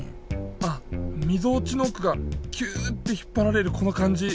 あっみぞおちのおくがキューッて引っぱられるこのかんじ。